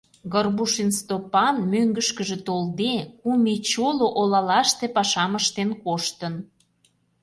Горбушин Стопан, мӧҥгышкыжӧ толде, кум ий чоло олалаште пашам ыштен коштын.